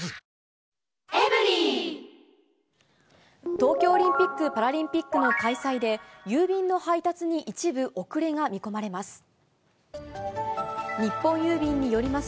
東京オリンピック・パラリンピックの開催で、郵便の配達に一部、遅れが見込まれます。